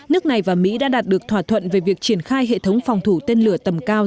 nước này và mỹ đã đạt được thỏa thuận về việc triển khai hệ thống phòng thủ tên lửa tầm cao